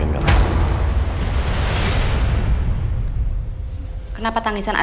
sebelum kamu sudah terkena potensa apa